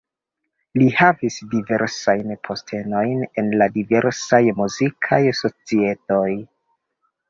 Li havis diversajn postenojn en diversaj muzikaj societoj.